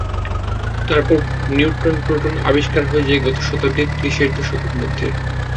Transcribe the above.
তারপর নিউট্রন-প্রোটনও আবিষ্কার হয়ে যায় গত শতাব্দীর ত্রিশের দশকের মধ্যে।